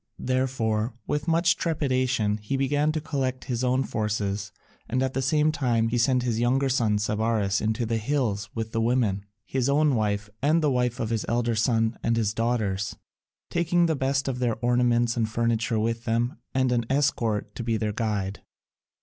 Therefore, with much trepidation, he began to collect his own forces, and at the same time he sent his younger son Sabaris into the hills with the women, his own wife, and the wife of his elder son and his daughters, taking the best of their ornaments and furniture with them and an escort to be their guide.